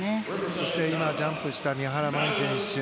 そして今、ジャンプした三原舞依選手。